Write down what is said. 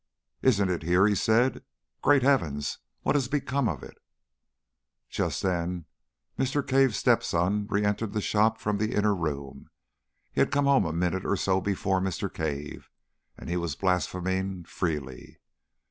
"Isn't it here?" he said. "Great Heavens! what has become of it?" Just then, Mr. Cave's step son re entered the shop from the inner room he had come home a minute or so before Mr. Cave and he was blaspheming freely.